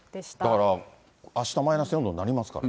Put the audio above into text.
だからあしたマイナス４度になりますからね。